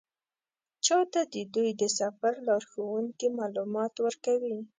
چا ته د دوی د سفر لارښوونکي معلومات ورکوي.